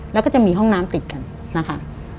แล้วก็จะมีห้องน้ำติดกันนะคะ